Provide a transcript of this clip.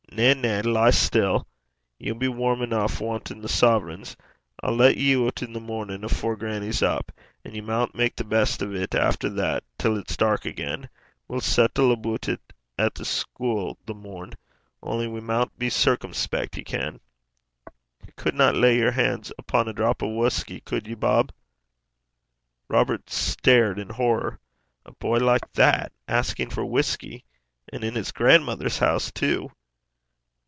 'Na, na, lie still. Ye'll be warm eneuch wantin' thae sovereigns. I'll lat ye oot i' the mornin' afore grannie's up. And ye maun mak' the best o't efter that till it's dark again. We'll sattle a' aboot it at the schuil the morn. Only we maun be circumspec', ye ken.' 'Ye cudna lay yer han's upo' a drap o' whusky, cud ye, Bob?' Robert stared in horror. A boy like that asking for whisky! and in his grandmother's house, too!